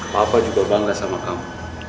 papa juga bangga sama kamu